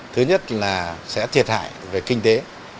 thứ nhất là sẽ thiệt hại về kinh tế